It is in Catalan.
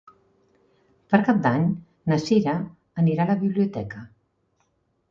Per Cap d'Any na Cira anirà a la biblioteca.